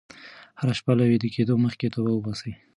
هره شپه له ویده کېدو مخکې توبه وباسئ.